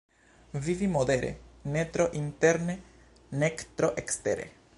Vivi modere, ne tro interne nek tro ekstere.